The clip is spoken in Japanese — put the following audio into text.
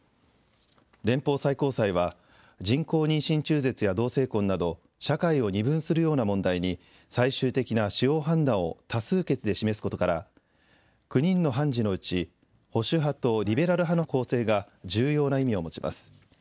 連邦最高裁は人工妊娠中絶や同性婚など社会を二分するような問題に最終的な司法判断を多数決で示すことから９人の判事のうち保守派とリベラル派の構成が重要な意味を持ちます。